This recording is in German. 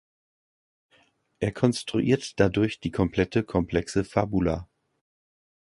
Er konstruiert dadurch die komplette, komplexe Fabula.